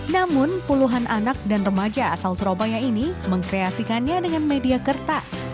namun puluhan anak dan remaja asal surabaya ini mengkreasikannya dengan media kertas